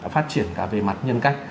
phát triển cả về mặt nhân cách